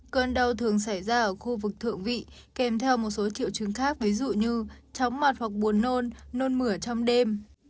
cơn đau thường xảy ra ở khu vực thượng vị kèm theo một số triệu chứng khác ví dụ như chóng mặt hoặc buồn nôn nôn mửa trong đêm